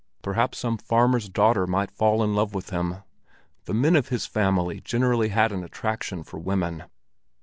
Perhaps some farmer's daughter might fall in love with him; the men of his family generally had an attraction for women.